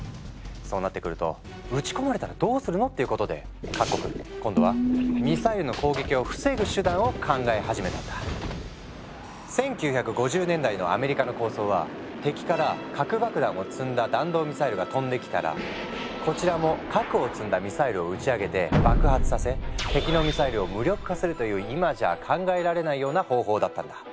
そうなってくると「撃ち込まれたらどうするの？」っていうことで各国今度は敵から核爆弾を積んだ弾道ミサイルが飛んできたらこちらも核を積んだミサイルを打ち上げて爆発させ敵のミサイルを無力化するという今じゃ考えられないような方法だったんだ。